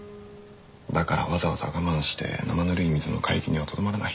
だからわざわざ我慢してなまぬるい水の海域にはとどまらない。